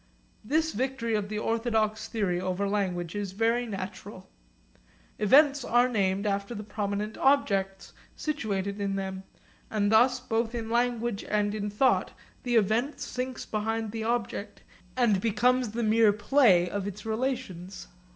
This victory of the orthodox theory over language is very natural. Events are named after the prominent objects situated in them, and thus both in language and in thought the event sinks behind the object, and becomes the mere play of its relations.